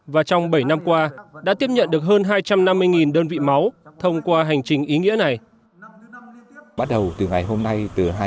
và trong bảy năm qua đã tiếp nhận được hơn hai trăm năm mươi đơn vị máu thông qua hành trình ý nghĩa này